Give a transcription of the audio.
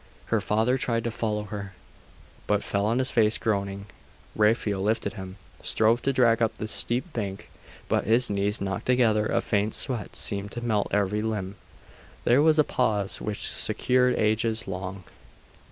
Her father tried to follow her, but fell on his face, groaning. Raphael lifted him, strove to drag up the steep bank: but his knees knocked together; a faint sweat seemed to melt every limb.... There was a pause, which secured ages long....